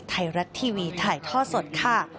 ไทรัติวีถ่ายทอดสดค่ะ